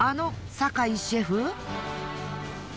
坂井シェフ！